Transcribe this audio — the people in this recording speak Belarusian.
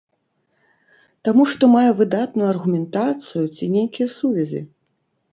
Таму што мае выдатную аргументацыю ці нейкія сувязі?